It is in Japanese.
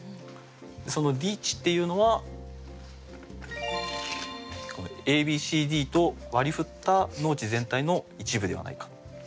その「Ｄ地」っていうのはＡＢＣＤと割り振った農地全体の一部ではないか。